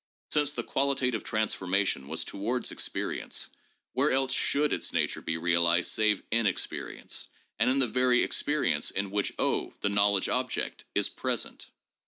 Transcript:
Since the qualitative trans formation was towards experience, where else should its nature be realized save in experience— and in the very experience in which 0, the knowledge object, is present.